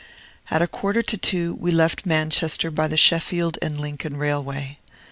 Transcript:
At a quarter to two we left Manchester by the Sheffield and Lincoln Railway.